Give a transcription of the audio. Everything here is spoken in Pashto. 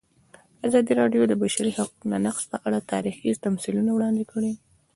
ازادي راډیو د د بشري حقونو نقض په اړه تاریخي تمثیلونه وړاندې کړي.